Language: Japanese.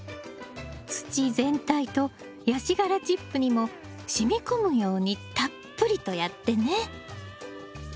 土全体とヤシ殻チップにもしみ込むようにたっぷりとやってね。